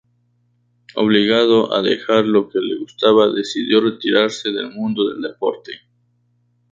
Obligado a dejar lo que le gustaba, decidió retirarse del mundo del deporte.